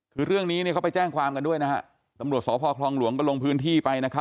คือเรื่องนี้เนี่ยเขาไปแจ้งความกันด้วยนะฮะตำรวจสพคลองหลวงก็ลงพื้นที่ไปนะครับ